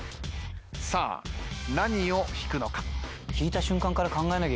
さあ何を引くのか。